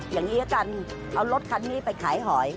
อย่างนี้ละกันเอารถคันนี้ไปขายหอย